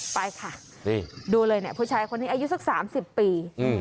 ไปค่ะดูเลยภาพสมศิลป์ผู้ชายคนอายุ๓๐ปี